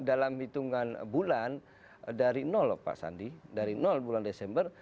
dalam hitungan bulan dari nol pak sandi dari nol bulan desember